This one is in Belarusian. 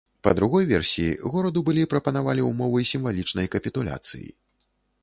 Па другой версіі, гораду былі прапанавалі ўмовы сімвалічнай капітуляцыі.